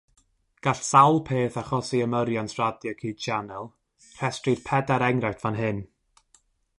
Gall sawl peth achosi ymyriant radio cyd-sianel; rhestrir pedair enghraifft fan hyn.